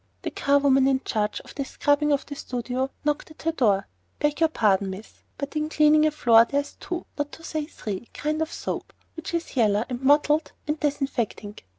The charwoman in charge of the scrubbing of the studio knocked at her door: "Beg y' pardon, miss, but in cleanin' of a floor there's two, not to say three, kind of soap, which is yaller, an' mottled, an' disinfectink.